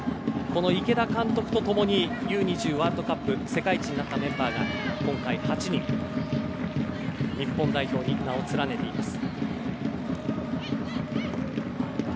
池田監督とともにＵ‐２０ワールドカップで世界一になったメンバーが今回８人日本代表に名を連ねています。